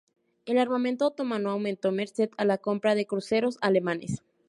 El armamento otomano aumentó merced a la compra de cruceros alemanes.